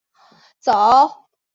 早年师从楼郁。